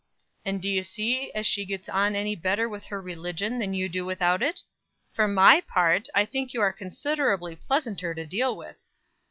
"And do you see as she gets on any better with her religion, than you do without it? For my part, I think you are considerably pleasanter to deal with."